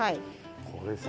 これさ。